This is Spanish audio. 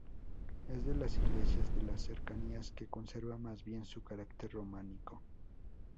Es de las iglesias de las cercanías que conserva más bien su carácter románico.